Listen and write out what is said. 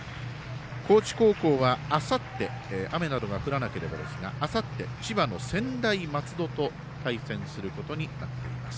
高知高校は、あさって雨などが降らなければですがあさって、千葉の専大松戸と対戦することになっています。